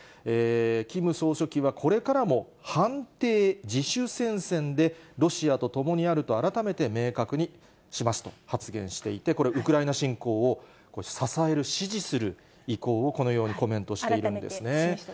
キム総書記は、これからも反帝自主戦線でロシアと共にあると改めて明確にしますと発言していて、これ、ウクライナ侵攻を支える、支持する意向を、このようにコメントしているんですね。